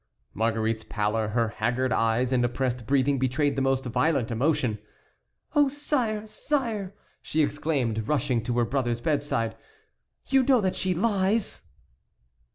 Marguerite's pallor, her haggard eyes and oppressed breathing betrayed the most violent emotion. "Oh, sire! sire!" she exclaimed, rushing to her brother's bedside; "you know that she lies."